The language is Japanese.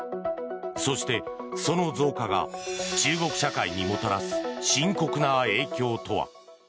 そして、その増加が中国社会にもたらす深刻な影響とは。